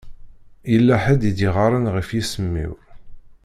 Yella ḥedd i d-yeɣɣaren ɣef yisem-iw.